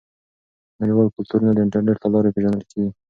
نړیوال کلتورونه د انټرنیټ له لارې پیژندل کیږي.